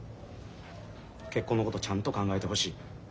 結婚のことちゃんと考えてほしい。